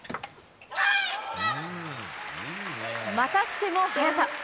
またしても早田。